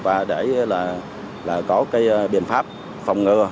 và để có biện pháp phòng ngừa